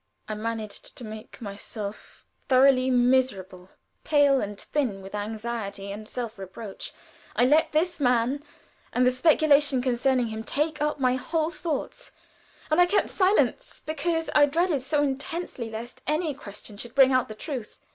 I managed to make myself thoroughly miserable pale and thin with anxiety and self reproach I let this man, and the speculation concerning him, take up my whole thoughts, and I kept silence, because I dreaded so intensely lest any question should bring out the truth.